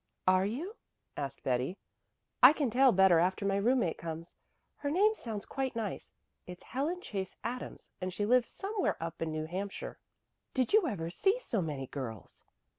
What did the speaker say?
"Are you?" asked Betty. "I can tell better after my roommate comes. Her name sounds quite nice. It's Helen Chase Adams, and she lives somewhere up in New Hampshire. Did you ever see so many girls?"